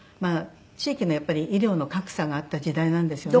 地域のやっぱり医療の格差があった時代なんですよね。